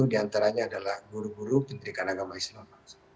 dan yang dikeluarkan adalah guru guru pendidikan agama islam